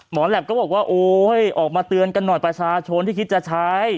แหลปก็บอกว่าโอ๊ยออกมาเตือนกันหน่อยประชาชนที่คิดจะใช้